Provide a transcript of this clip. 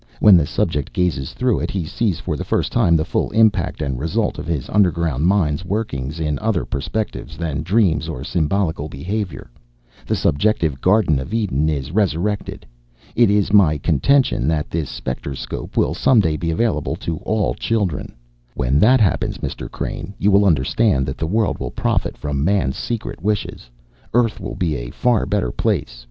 When the subject gazes through it, he sees for the first time the full impact and result of his underground mind's workings in other perspectives than dreams or symbolical behavior. The subjective Garden of Eden is resurrected. It is my contention that this specterscope will some day be available to all children. "When that happens, Mr. Crane, you will understand that the world will profit from man's secret wishes. Earth will be a far better place.